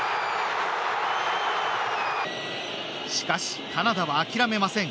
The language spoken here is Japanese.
しかし、カナダは諦めません。